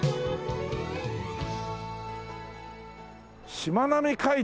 しまなみ海道。